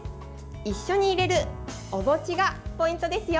一緒に入れるおもちがポイントですよ。